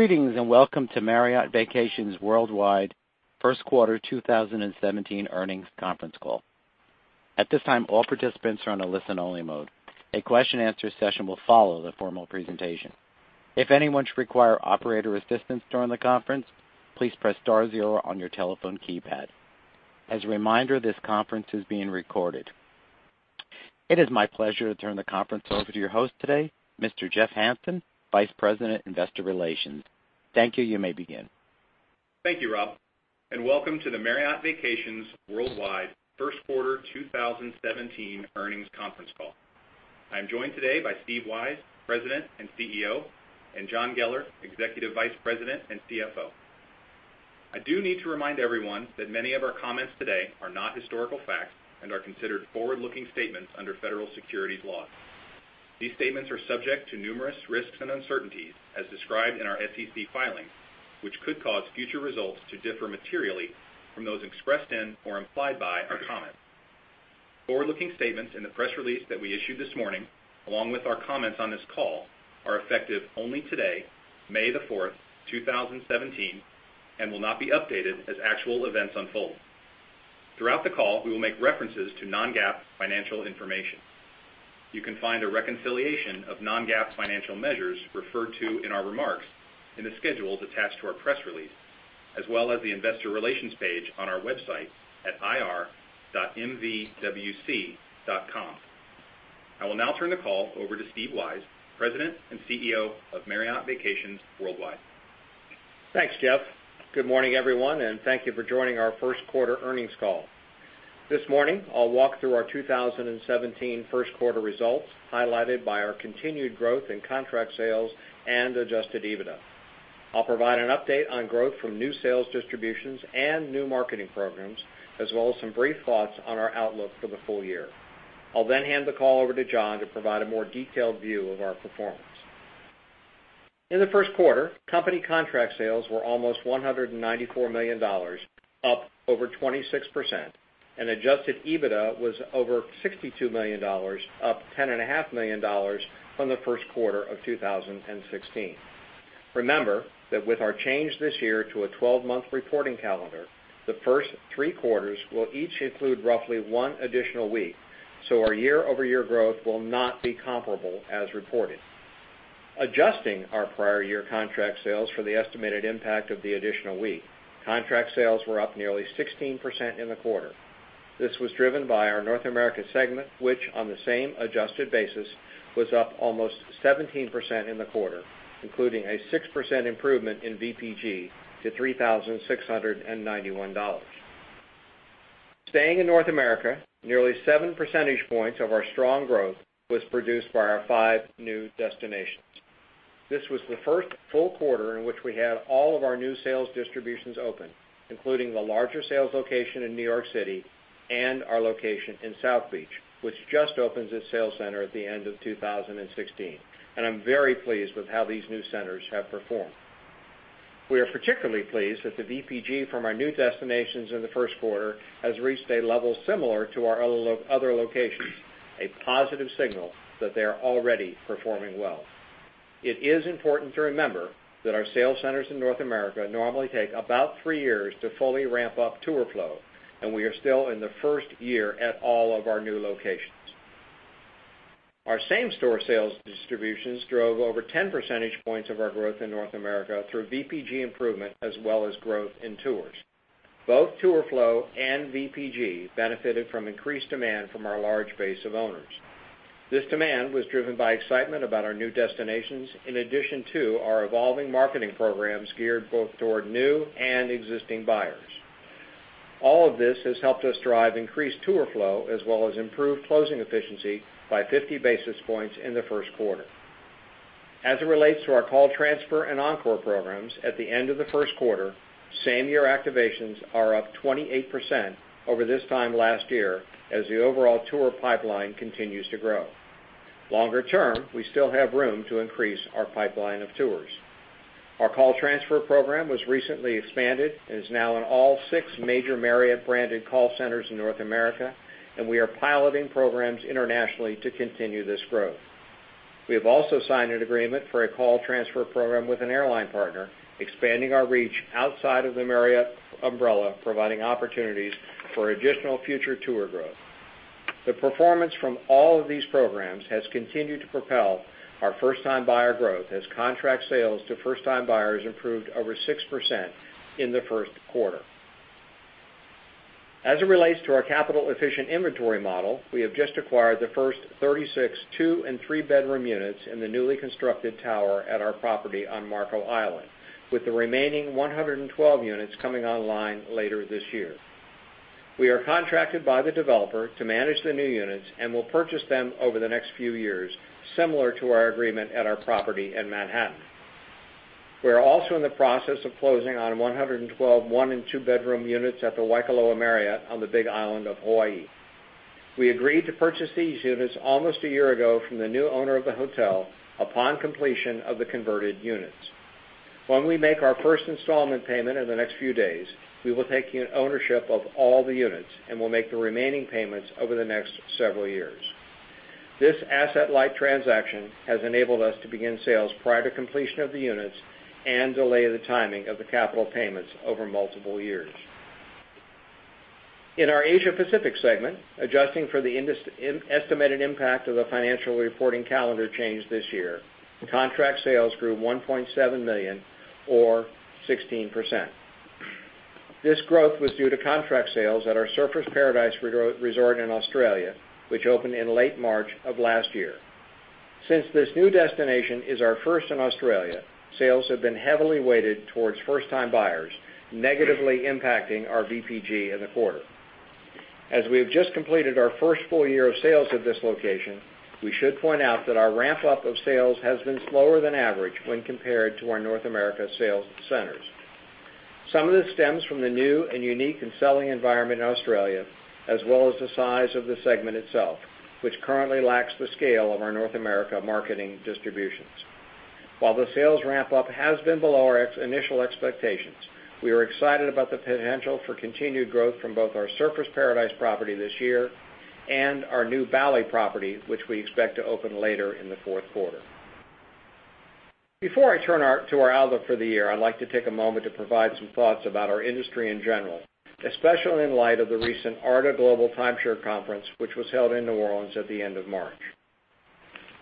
Greetings, welcome to Marriott Vacations Worldwide first quarter 2017 earnings conference call. At this time, all participants are on a listen-only mode. A question and answer session will follow the formal presentation. If anyone should require operator assistance during the conference, please press star zero on your telephone keypad. As a reminder, this conference is being recorded. It is my pleasure to turn the conference over to your host today, Mr. Jeff Hansen, Vice President, Investor Relations. Thank you. You may begin. Thank you, Rob, welcome to the Marriott Vacations Worldwide first quarter 2017 earnings conference call. I am joined today by Steve Weisz, President and CEO, and John Geller, Executive Vice President and CFO. I do need to remind everyone that many of our comments today are not historical facts and are considered forward-looking statements under federal securities laws. These statements are subject to numerous risks and uncertainties as described in our SEC filings, which could cause future results to differ materially from those expressed in or implied by our comments. Forward-looking statements in the press release that we issued this morning, along with our comments on this call, are effective only today, May 4th, 2017, and will not be updated as actual events unfold. Throughout the call, we will make references to non-GAAP financial information. You can find a reconciliation of non-GAAP financial measures referred to in our remarks in the schedules attached to our press release, as well as the investor relations page on our website at ir.mvwc.com. I will now turn the call over to Steve Weisz, President and CEO of Marriott Vacations Worldwide. Thanks, Jeff. Good morning, everyone, thank you for joining our first quarter earnings call. This morning, I'll walk through our 2017 first quarter results, highlighted by our continued growth in contract sales and adjusted EBITDA. I'll provide an update on growth from new sales distributions and new marketing programs, as well as some brief thoughts on our outlook for the full year. I'll hand the call over to John to provide a more detailed view of our performance. In the first quarter, company contract sales were almost $194 million, up over 26%, and adjusted EBITDA was over $62 million, up $10.5 million from the first quarter of 2016. Remember that with our change this year to a 12-month reporting calendar, the first three quarters will each include roughly one additional week, so our year-over-year growth will not be comparable as reported. Adjusting our prior year contract sales for the estimated impact of the additional week, contract sales were up nearly 16% in the quarter. This was driven by our North America segment, which on the same adjusted basis was up almost 17% in the quarter, including a 6% improvement in VPG to $3,691. Staying in North America, nearly seven percentage points of our strong growth was produced by our five new destinations. This was the first full quarter in which we had all of our new sales distributions open, including the larger sales location in New York City and our location in South Beach, which just opened its sales center at the end of 2016. I'm very pleased with how these new centers have performed. We are particularly pleased that the VPG from our new destinations in the first quarter has reached a level similar to our other locations, a positive signal that they are already performing well. It is important to remember that our sales centers in North America normally take about three years to fully ramp up tour flow, we are still in the first year at all of our new locations. Our same-store sales distributions drove over 10 percentage points of our growth in North America through VPG improvement as well as growth in tours. Both tour flow and VPG benefited from increased demand from our large base of owners. This demand was driven by excitement about our new destinations in addition to our evolving marketing programs geared both toward new and existing buyers. All of this has helped us drive increased tour flow as well as improved closing efficiency by 50 basis points in the first quarter. As it relates to our call transfer and Encore programs at the end of the first quarter, same-year activations are up 28% over this time last year as the overall tour pipeline continues to grow. Longer term, we still have room to increase our pipeline of tours. Our call transfer program was recently expanded and is now in all six major Marriott-branded call centers in North America, we are piloting programs internationally to continue this growth. We have also signed an agreement for a call transfer program with an airline partner, expanding our reach outside of the Marriott umbrella, providing opportunities for additional future tour growth. The performance from all of these programs has continued to propel our first-time buyer growth, as contract sales to first-time buyers improved over 6% in the first quarter. As it relates to our capital-efficient inventory model, we have just acquired the first 36 two and three-bedroom units in the newly constructed tower at our property on Marco Island, with the remaining 112 units coming online later this year. We are contracted by the developer to manage the new units and will purchase them over the next few years, similar to our agreement at our property in Manhattan. We are also in the process of closing on 112 one and two-bedroom units at the Waikoloa Marriott on the Big Island of Hawaii. We agreed to purchase these units almost a year ago from the new owner of the hotel upon completion of the converted units. When we make our first installment payment in the next few days, we will take ownership of all the units and will make the remaining payments over the next several years. This asset-light transaction has enabled us to begin sales prior to completion of the units and delay the timing of the capital payments over multiple years. In our Asia-Pacific segment, adjusting for the estimated impact of the financial reporting calendar change this year, contract sales grew $1.7 million or 16%. This growth was due to contract sales at our Surfers Paradise Resort in Australia, which opened in late March of last year. Since this new destination is our first in Australia, sales have been heavily weighted towards first-time buyers, negatively impacting our VPG in the quarter. As we have just completed our first full year of sales at this location, we should point out that our ramp-up of sales has been slower than average when compared to our North America sales centers. Some of this stems from the new and unique selling environment in Australia as well as the size of the segment itself, which currently lacks the scale of our North America marketing distributions. While the sales ramp-up has been below our initial expectations, we are excited about the potential for continued growth from both our Surfers Paradise property this year and our new Bali property, which we expect to open later in the fourth quarter. Before I turn to our outlook for the year, I'd like to take a moment to provide some thoughts about our industry in general, especially in light of the recent ARDA Global Timeshare Conference, which was held in New Orleans at the end of March.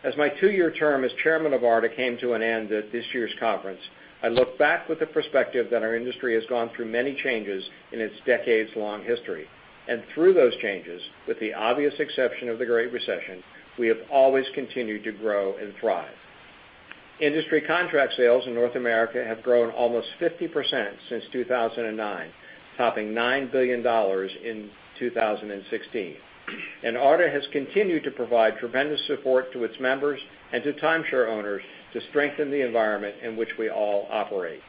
As my two-year term as chairman of ARDA came to an end at this year's conference, I look back with the perspective that our industry has gone through many changes in its decades-long history, and through those changes, with the obvious exception of the Great Recession, we have always continued to grow and thrive. Industry contract sales in North America have grown almost 50% since 2009, topping $9 billion in 2016, and ARDA has continued to provide tremendous support to its members and to timeshare owners to strengthen the environment in which we all operate.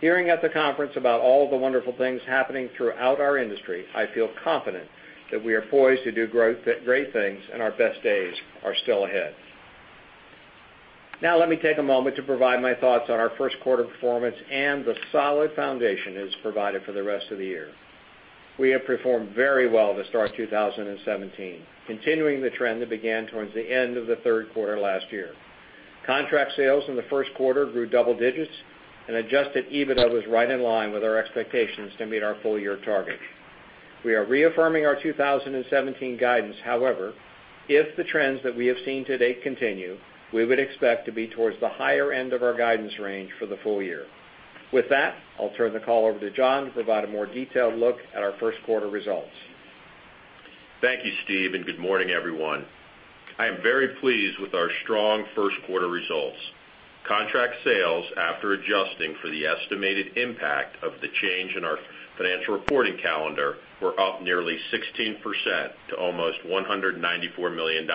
Hearing at the conference about all the wonderful things happening throughout our industry, I feel confident that we are poised to do great things, our best days are still ahead. Let me take a moment to provide my thoughts on our first quarter performance and the solid foundation it has provided for the rest of the year. We have performed very well to start 2017, continuing the trend that began towards the end of the third quarter last year. Contract sales in the first quarter grew double digits, and adjusted EBITDA was right in line with our expectations to meet our full-year target. We are reaffirming our 2017 guidance. However, if the trends that we have seen to date continue, we would expect to be towards the higher end of our guidance range for the full year. With that, I'll turn the call over to John to provide a more detailed look at our first quarter results. Thank you, Steve, and good morning, everyone. I am very pleased with our strong first quarter results. Contract sales, after adjusting for the estimated impact of the change in our financial reporting calendar, were up nearly 16% to almost $194 million,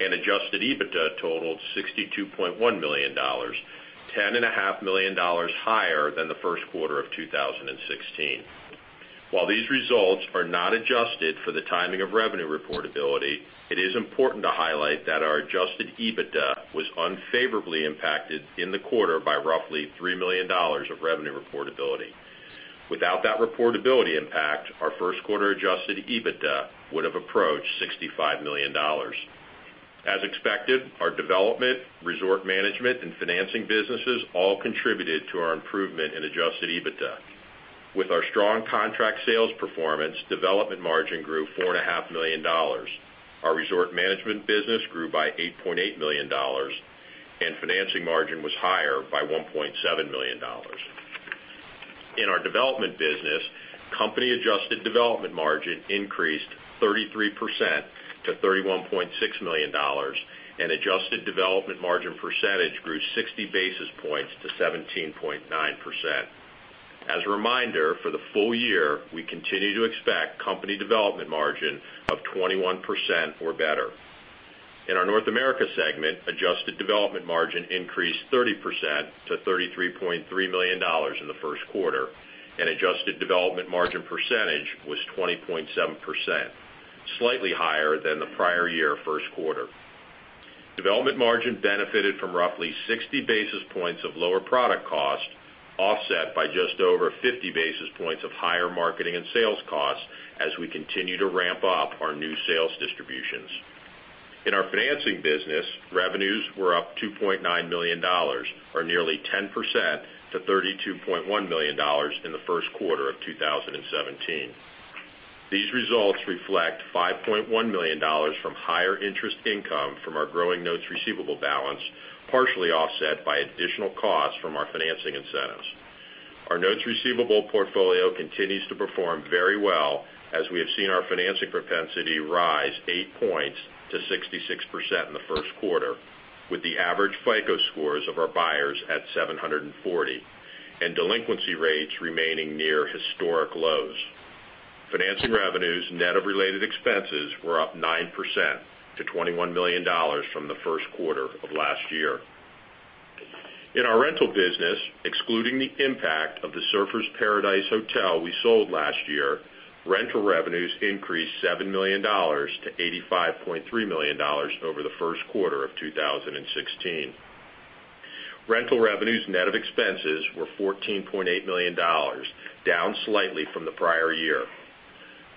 and adjusted EBITDA totaled $62.1 million, $10.5 million higher than the first quarter of 2016. While these results are not adjusted for the timing of revenue reportability, it is important to highlight that our adjusted EBITDA was unfavorably impacted in the quarter by roughly $3 million of revenue reportability. Without that reportability impact, our first quarter adjusted EBITDA would have approached $65 million. As expected, our development, resort management, and financing businesses all contributed to our improvement in adjusted EBITDA. With our strong Contract sales performance, development margin grew $4.5 million. Our resort management business grew by $8.8 million, and financing margin was higher by $1.7 million. In our development business, company-adjusted development margin increased 33% to $31.6 million, and adjusted development margin percentage grew 60 basis points to 17.9%. As a reminder, for the full year, we continue to expect company development margin of 21% or better. In our North America segment, adjusted development margin increased 30% to $33.3 million in the first quarter, and adjusted development margin percentage was 20.7%, slightly higher than the prior year first quarter. Development margin benefited from roughly 60 basis points of lower product cost, offset by just over 50 basis points of higher marketing and sales costs as we continue to ramp up our new sales distributions. In our financing business, revenues were up $2.9 million or nearly 10% to $32.1 million in the first quarter of 2017. These results reflect $5.1 million from higher interest income from our growing notes receivable balance, partially offset by additional costs from our financing incentives. Our notes receivable portfolio continues to perform very well as we have seen our financing propensity rise 8 points to 66% in the first quarter, with the average FICO scores of our buyers at 740 and delinquency rates remaining near historic lows. Financing revenues net of related expenses were up 9% to $21 million from the first quarter of last year. In our rental business, excluding the impact of the Surfers Paradise Hotel we sold last year, rental revenues increased $7 million to $85.3 million over the first quarter of 2016. Rental revenues net of expenses were $14.8 million, down slightly from the prior year.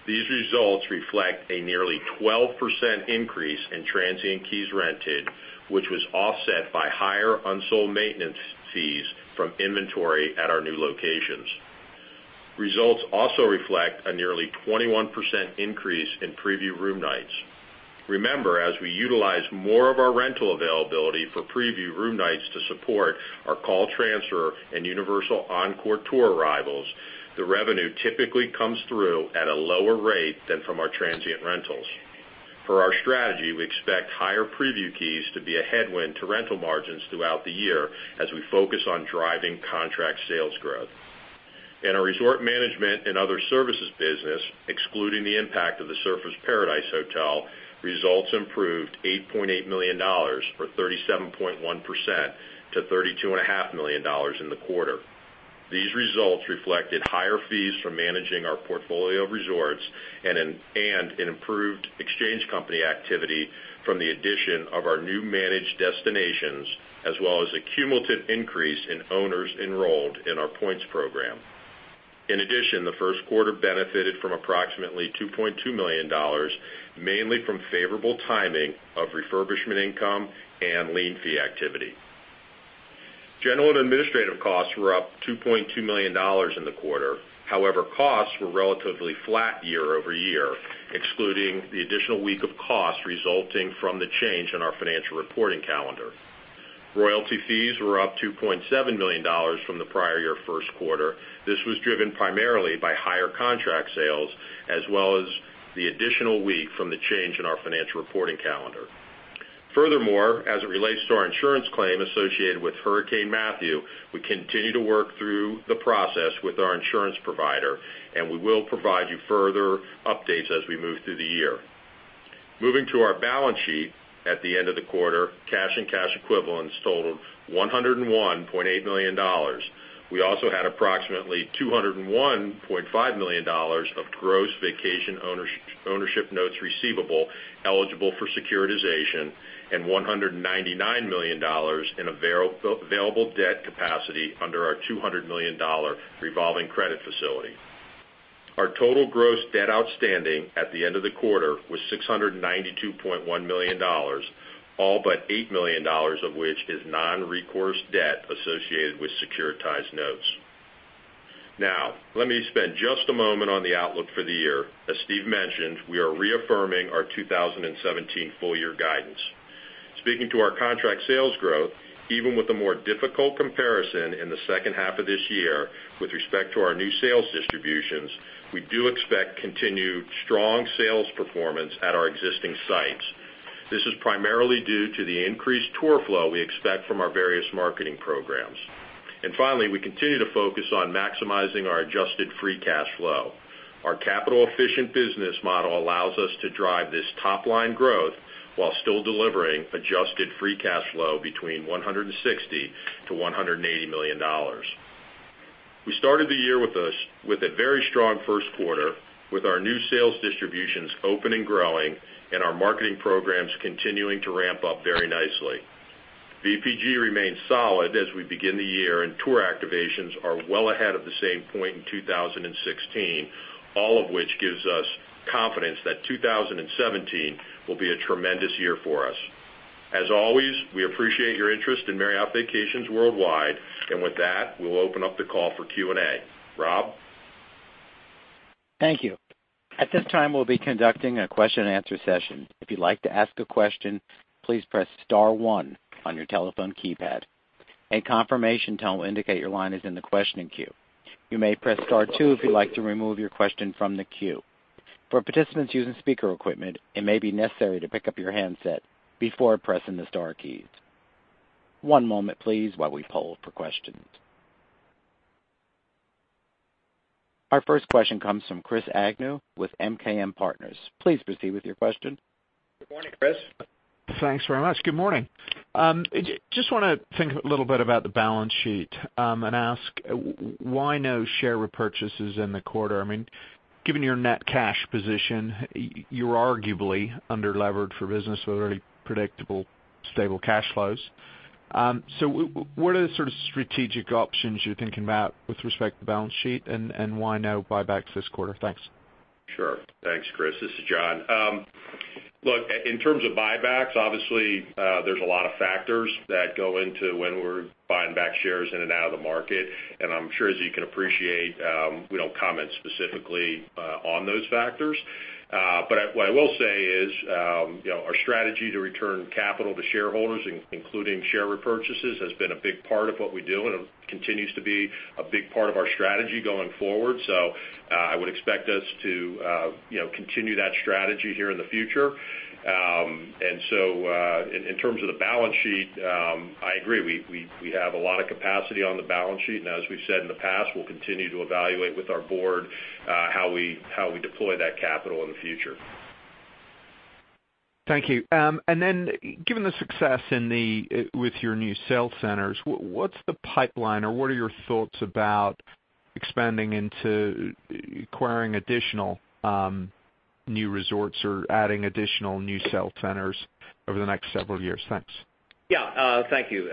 These results reflect a nearly 12% increase in transient keys rented, which was offset by higher unsold maintenance fees from inventory at our new locations. Results also reflect a nearly 21% increase in preview room nights. Remember, as we utilize more of our rental availability for preview room nights to support our call transfer and universal Encore tour arrivals, the revenue typically comes through at a lower rate than from our transient rentals. For our strategy, we expect higher preview keys to be a headwind to rental margins throughout the year as we focus on driving contract sales growth. In our resort management and other services business, excluding the impact of the Surfers Paradise Hotel, results improved $8.8 million or 37.1% to $32.5 million in the quarter. These results reflected higher fees from managing our portfolio of resorts and an improved exchange company activity from the addition of our new managed destinations, as well as a cumulative increase in owners enrolled in our points program. In addition, the first quarter benefited from approximately $2.2 million, mainly from favorable timing of refurbishment income and lien fee activity. General and administrative costs were up $2.2 million in the quarter. However, costs were relatively flat year-over-year, excluding the additional week of costs resulting from the change in our financial reporting calendar. Royalty fees were up $2.7 million from the prior year first quarter. This was driven primarily by higher contract sales as well as the additional week from the change in our financial reporting calendar. Furthermore, as it relates to our insurance claim associated with Hurricane Matthew, we continue to work through the process with our insurance provider, and we will provide you further updates as we move through the year. Moving to our balance sheet at the end of the quarter, cash and cash equivalents totaled $101.8 million. We also had approximately $201.5 million of gross vacation ownership notes receivable eligible for securitization and $199 million in available debt capacity under our $200 million revolving credit facility. Our total gross debt outstanding at the end of the quarter was $692.1 million, all but $8 million of which is non-recourse debt associated with securitized notes. Now, let me spend just a moment on the outlook for the year. As Steve mentioned, we are reaffirming our 2017 full-year guidance. Speaking to our contract sales growth, even with a more difficult comparison in the second half of this year with respect to our new sales distributions, we do expect continued strong sales performance at our existing sites. This is primarily due to the increased tour flow we expect from our various marketing programs. Finally, we continue to focus on maximizing our adjusted free cash flow. Our capital-efficient business model allows us to drive this top-line growth while still delivering adjusted free cash flow between $160 million-$180 million. We started the year with a very strong first quarter with our new sales distributions open and growing and our marketing programs continuing to ramp up very nicely. VPG remains solid as we begin the year, tour activations are well ahead of the same point in 2016, all of which gives us confidence that 2017 will be a tremendous year for us. As always, we appreciate your interest in Marriott Vacations Worldwide. With that, we'll open up the call for Q&A. Rob? Thank you. At this time, we'll be conducting a question and answer session. If you'd like to ask a question, please press *1 on your telephone keypad. A confirmation tone will indicate your line is in the questioning queue. You may press *2 if you'd like to remove your question from the queue. For participants using speaker equipment, it may be necessary to pick up your handset before pressing the star keys. One moment, please, while we poll for questions. Our first question comes from Chris Agnew with MKM Partners. Please proceed with your question. Good morning, Chris. Thanks very much. Good morning. Just want to think a little bit about the balance sheet and ask why no share repurchases in the quarter. Given your net cash position, you're arguably under-levered for business with very predictable, stable cash flows. What are the sort of strategic options you're thinking about with respect to the balance sheet, and why no buybacks this quarter? Thanks. Sure. Thanks, Chris. This is John. Look, in terms of buybacks, obviously, there's a lot of factors that go into when we're buying back shares in and out of the market. I'm sure as you can appreciate, we don't comment specifically on those factors. What I will say is our strategy to return capital to shareholders, including share repurchases, has been a big part of what we do and continues to be a big part of our strategy going forward. I would expect us to continue that strategy here in the future. In terms of the balance sheet, I agree, we have a lot of capacity on the balance sheet. As we've said in the past, we'll continue to evaluate with our board how we deploy that capital in the future. Thank you. Given the success with your new sales centers, what's the pipeline or what are your thoughts about expanding into acquiring additional new resorts or adding additional new sale centers over the next several years? Thanks. Yeah. Thank you,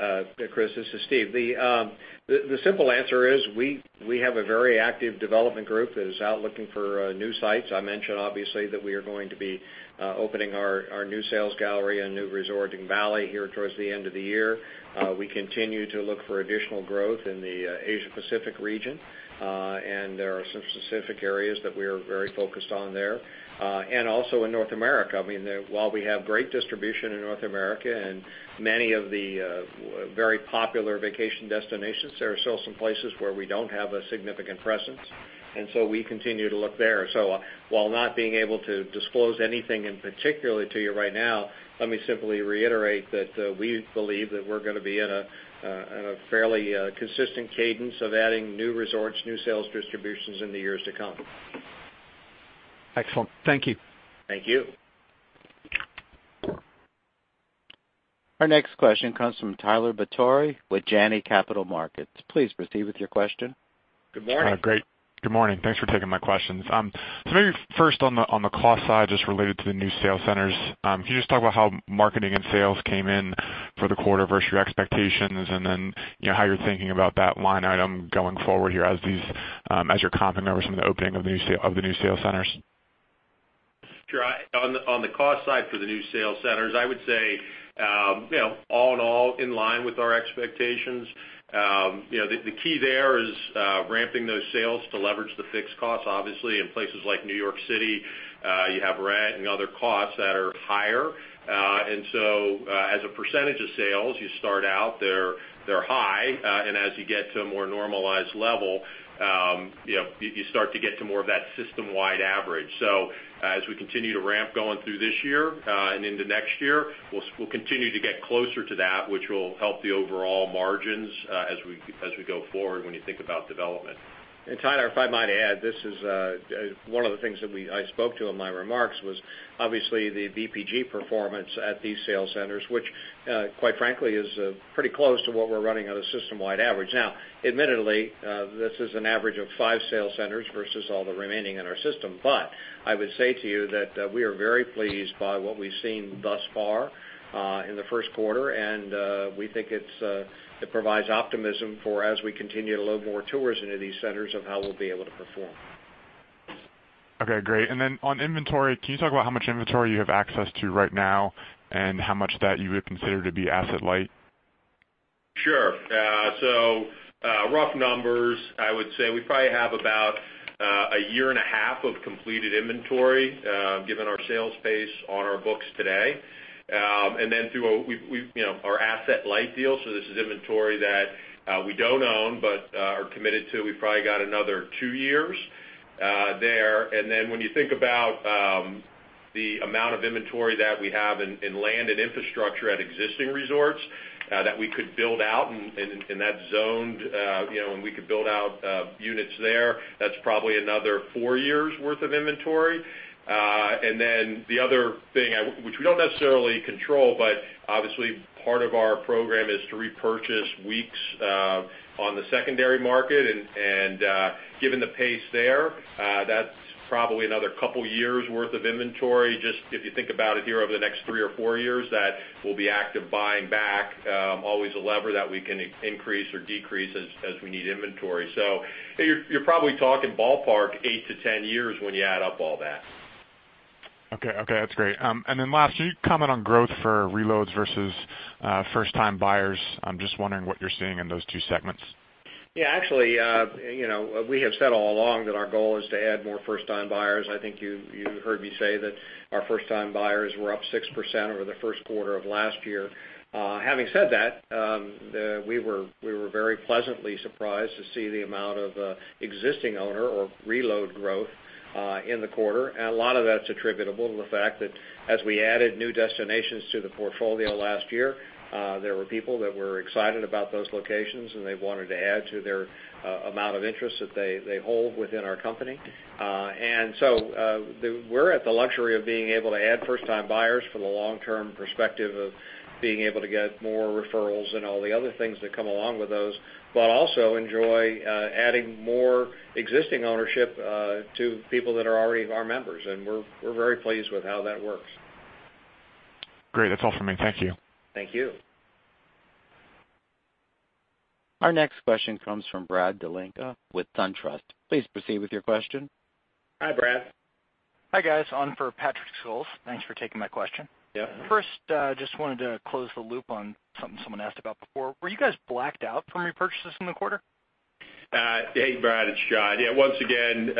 Chris. This is Steve. The simple answer is we have a very active development group that is out looking for new sites. I mentioned, obviously, that we are going to be opening our new sales gallery and new resort in Bali here towards the end of the year. We continue to look for additional growth in the Asia Pacific region, and there are some specific areas that we are very focused on there. Also in North America. While we have great distribution in North America and many of the very popular vacation destinations, there are still some places where we don't have a significant presence. We continue to look there. While not being able to disclose anything in particular to you right now, let me simply reiterate that we believe that we're going to be in a fairly consistent cadence of adding new resorts, new sales distributions in the years to come. Excellent. Thank you. Thank you. Our next question comes from Tyler Batory with Janney Capital Markets. Please proceed with your question. Good morning. Great. Good morning. Thanks for taking my questions. Maybe first on the cost side, just related to the new sales centers, can you just talk about how marketing and sales came in for the quarter versus your expectations, then how you're thinking about that line item going forward here as your comp numbers from the opening of the new sales centers? Sure. On the cost side for the new sales centers, I would say all in all, in line with our expectations. The key there is ramping those sales to leverage the fixed costs. Obviously, in places like New York City, you have rent and other costs that are higher. As a percentage of sales, you start out, they're high, and as you get to a more normalized level, you start to get to more of that system-wide average. As we continue to ramp going through this year and into next year, we'll continue to get closer to that, which will help the overall margins as we go forward when you think about development. Tyler, if I might add, this is one of the things that I spoke to in my remarks was obviously the VPG performance at these sales centers, which, quite frankly, is pretty close to what we're running on a system-wide average. Now, admittedly, this is an average of five sales centers versus all the remaining in our system. I would say to you that we are very pleased by what we've seen thus far in the first quarter, and we think it provides optimism for as we continue to load more tours into these centers of how we'll be able to perform. Okay, great. On inventory, can you talk about how much inventory you have access to right now and how much that you would consider to be asset light? Sure. Rough numbers, I would say we probably have about a year and a half of completed inventory, given our sales pace on our books today. Through our asset light deal, this is inventory that we don't own but are committed to, we probably got another two years there. When you think about the amount of inventory that we have in land and infrastructure at existing resorts that we could build out units there. That's probably another four years worth of inventory. The other thing, which we don't necessarily control, but obviously part of our program is to repurchase weeks on the secondary market and given the pace there, that's probably another couple of years worth of inventory. Just if you think about it here over the next three or four years, that we'll be active buying back, always a lever that we can increase or decrease as we need inventory. You're probably talking ballpark 8-10 years when you add up all that. Okay. That's great. Last, can you comment on growth for reloads versus first-time buyers? I'm just wondering what you're seeing in those two segments. Actually we have said all along that our goal is to add more first-time buyers. I think you heard me say that our first-time buyers were up 6% over the first quarter of last year. Having said that, we were very pleasantly surprised to see the amount of existing owner or reload growth in the quarter. A lot of that's attributable to the fact that as we added new destinations to the portfolio last year, there were people that were excited about those locations and they wanted to add to their amount of interest that they hold within our company. We're at the luxury of being able to add first-time buyers for the long-term perspective of being able to get more referrals and all the other things that come along with those, but also enjoy adding more existing ownership to people that are already our members and we're very pleased with how that works. Great. That's all for me. Thank you. Thank you. Our next question comes from Brad Dalinka with SunTrust. Please proceed with your question. Hi, Brad. Hi, guys. On for Patrick Scholes. Thanks for taking my question. Yeah. First, just wanted to close the loop on something someone asked about before. Were you guys blacked out from repurchases from the quarter? Hey, Brad, it's John. Once again,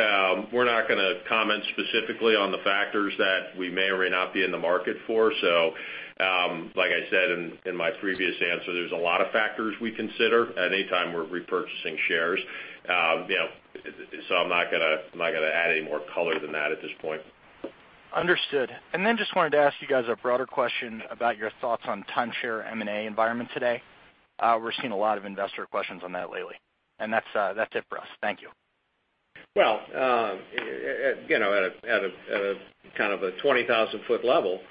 we're not going to comment specifically on the factors that we may or may not be in the market for. Like I said in my previous answer, there's a lot of factors we consider at any time we're repurchasing shares. I'm not going to add any more color than that at this point. Understood. Just wanted to ask you guys a broader question about your thoughts on timeshare M&A environment today. We're seeing a lot of investor questions on that lately. That's it for us. Thank you. At a kind of a 20,000-foot level,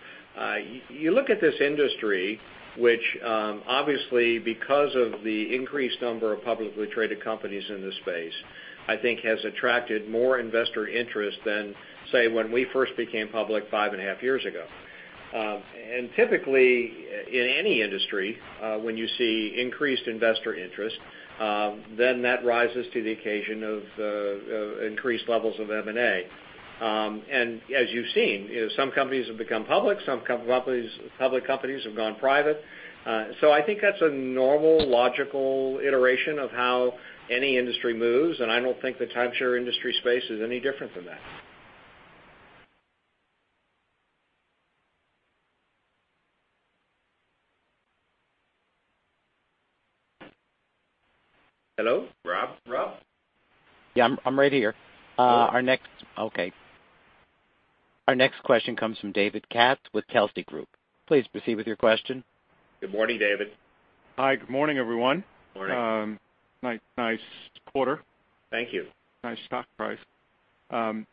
you look at this industry, which obviously because of the increased number of publicly traded companies in this space I think has attracted more investor interest than, say, when we first became public five and a half years ago. Typically, in any industry, when you see increased investor interest, that rises to the occasion of increased levels of M&A. As you've seen, some companies have become public, some public companies have gone private. I think that's a normal, logical iteration of how any industry moves, and I don't think the timeshare industry space is any different from that. Hello? Rob? I'm right here. Cool. Okay. Our next question comes from David Katz with Telsey Advisory Group. Please proceed with your question. Good morning, David. Hi. Good morning, everyone. Morning. Nice quarter. Thank you. Nice stock price. I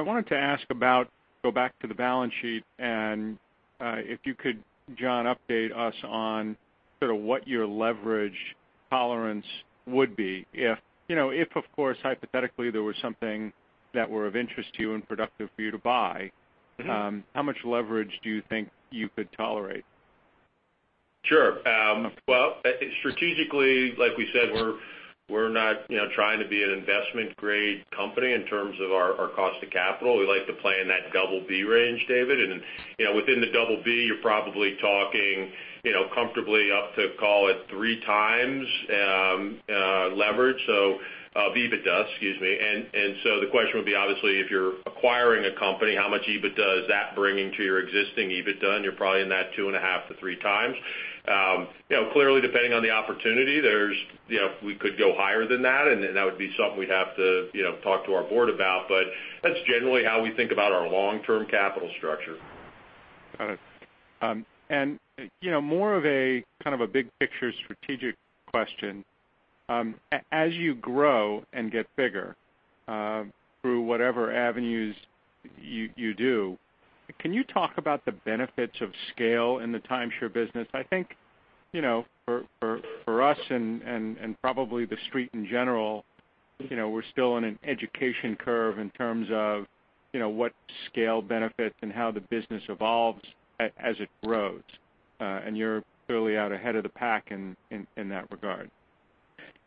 wanted to ask, go back to the balance sheet and if you could, John, update us on sort of what your leverage tolerance would be if, of course, hypothetically there was something that were of interest to you and productive for you to buy. How much leverage do you think you could tolerate? Sure. Well, strategically, like we said, we're not trying to be an investment-grade company in terms of our cost of capital. We like to play in that double B range, David. Within the double B, you're probably talking comfortably up to, call it, three times leverage, EBITDA, excuse me. The question would be, obviously, if you're acquiring a company, how much EBITDA is that bringing to your existing EBITDA, and you're probably in that two and a half to three times. Clearly, depending on the opportunity, we could go higher than that, and that would be something we'd have to talk to our board about. That's generally how we think about our long-term capital structure. Got it. More of a kind of a big picture strategic question. As you grow and get bigger through whatever avenues you do, can you talk about the benefits of scale in the timeshare business? I think, for us and probably The Street in general, we're still on an education curve in terms of what scale benefits and how the business evolves as it grows. You're clearly out ahead of the pack in that regard.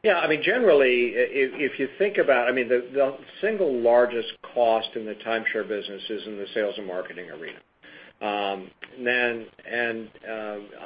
Yeah. I mean, generally, if you think about it, the single largest cost in the timeshare business is in the sales and marketing arena.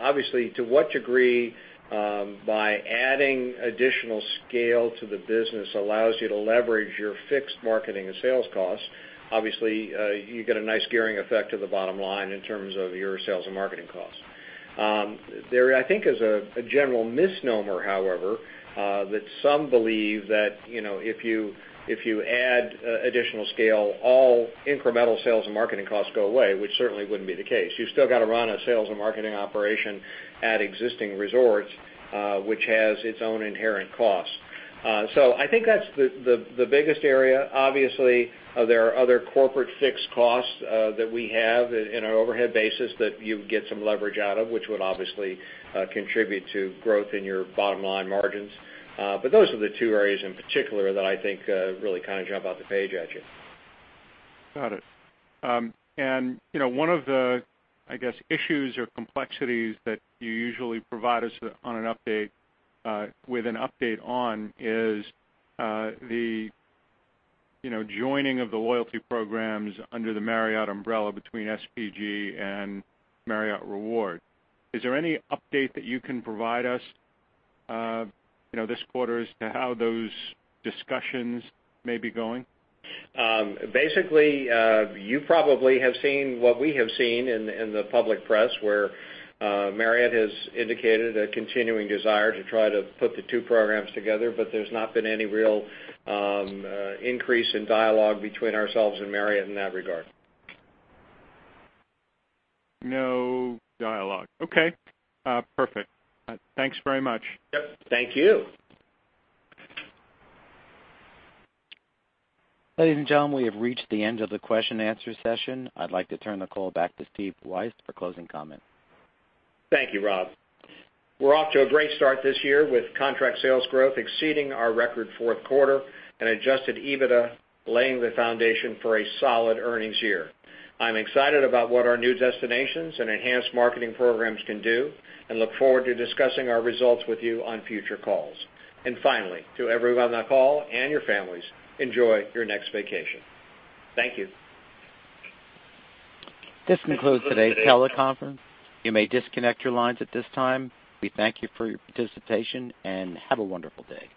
Obviously, to what degree by adding additional scale to the business allows you to leverage your fixed marketing and sales costs. Obviously, you get a nice gearing effect to the bottom line in terms of your sales and marketing costs. There, I think is a general misnomer, however, that some believe that if you add additional scale, all incremental sales and marketing costs go away, which certainly wouldn't be the case. You still got to run a sales and marketing operation at existing resorts, which has its own inherent costs. I think that's the biggest area. Obviously, there are other corporate fixed costs that we have in our overhead basis that you would get some leverage out of, which would obviously contribute to growth in your bottom-line margins. Those are the two areas in particular that I think really kind of jump off the page at you. Got it. One of the, I guess, issues or complexities that you usually provide us with an update on is the joining of the loyalty programs under the Marriott umbrella between SPG and Marriott Rewards. Is there any update that you can provide us this quarter as to how those discussions may be going? Basically, you probably have seen what we have seen in the public press where Marriott has indicated a continuing desire to try to put the two programs together, but there's not been any real increase in dialogue between ourselves and Marriott in that regard. No dialogue. Okay, perfect. Thanks very much. Yep. Thank you. Ladies and gentlemen, we have reached the end of the question and answer session. I'd like to turn the call back to Steve Weisz for closing comments. Thank you, Rob. We're off to a great start this year with contract sales growth exceeding our record fourth quarter and adjusted EBITDA laying the foundation for a solid earnings year. I'm excited about what our new destinations and enhanced marketing programs can do and look forward to discussing our results with you on future calls. Finally, to everyone on the call and your families, enjoy your next vacation. Thank you. This concludes today's teleconference. You may disconnect your lines at this time. We thank you for your participation. Have a wonderful day.